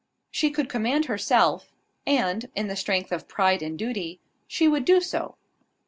She could command herself; and, in the strength of pride and duty, she would do so.